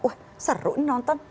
wah seru ini nonton